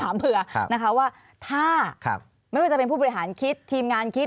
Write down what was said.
เผื่อนะคะว่าถ้าไม่ว่าจะเป็นผู้บริหารคิดทีมงานคิด